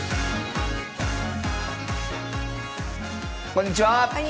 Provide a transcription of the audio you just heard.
こんにちは。